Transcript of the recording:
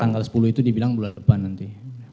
tanggal sepuluh itu dibilang bulan depan nanti